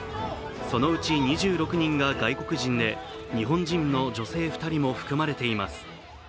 そのうち２６人が外国人で日本人の女性２人も含まれています。